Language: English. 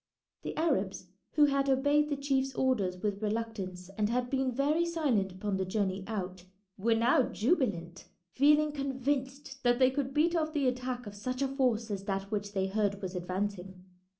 The Arabs, who had obeyed the chief's orders with reluctance and had been very silent upon the journey out, were now jubilant, feeling convinced that they could beat off the attack of such a force as that which they heard was advancing.